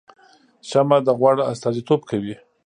شمعه د غوړ استازیتوب کوي